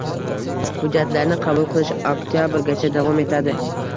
Hujjatlarni qabul qilish oktyabrgacha davom etadi.